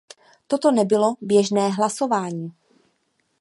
Toto nebylo běžné hlasování.